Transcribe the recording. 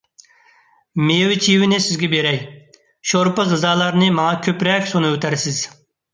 مېۋە - چېۋىنى سىزگە بېرەي، شورپا - غىزالارنى ماڭا كۆپرەك سۇنۇۋېتەرسىز.